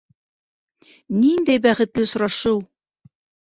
Ниндәй бәхетле осрашыу!